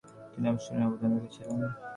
তিনি অবিস্মরণীয় অবদান রেখেছিলেন।